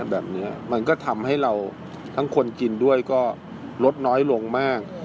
แบบนี้มันก็ทำให้เราทั้งคนกินด้วยก็ลดน้อยลงมาก